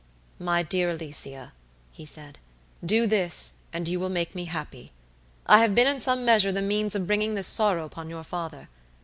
"My dear Alicia," he said, "do this and you will make me happy. I have been in some measure the means of bringing this sorrow upon your father.